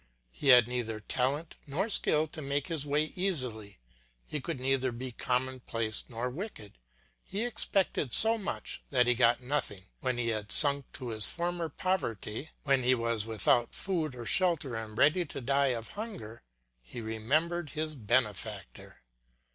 He had neither talent nor skill to make his way easily, he could neither be commonplace nor wicked, he expected so much that he got nothing. When he had sunk to his former poverty, when he was without food or shelter and ready to die of hunger, he remembered his benefactor.